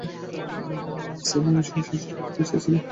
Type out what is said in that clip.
Sam এই মিশনে স্বেচ্ছাসেবক হতে চেয়েছিল।